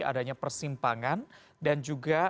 adanya persimpangan dan juga